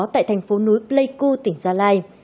tại thành phố núi pleiku tỉnh gia lai